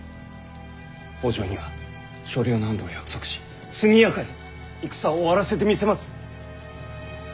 北条には所領の安堵を約束し速やかに戦を終わらせてみせます！